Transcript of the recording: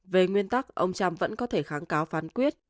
về nguyên tắc ông trump vẫn có thể kháng cáo phán quyết